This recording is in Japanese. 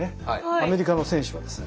アメリカの選手はですね